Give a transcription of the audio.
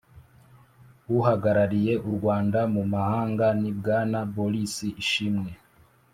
uhagarariye u Rwanda mu mahanga ni bwana boris ishimwe